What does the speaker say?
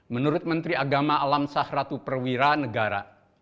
menurut menteri agama alam sahratu perwira negara